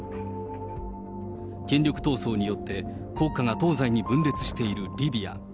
権力闘争によって国家が東西に分裂しているリビア。